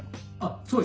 そうですね。